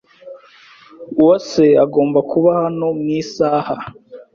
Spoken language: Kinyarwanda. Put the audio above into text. Uwase agomba kuba hano mu isaha.